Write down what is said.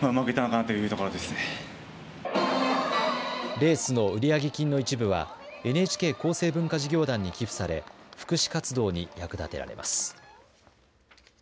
レースの売上金の一部はＮＨＫ厚生文化事業団に寄付され福祉活動に役立てられます。